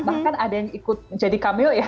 bahkan ada yang ikut jadi cameo ya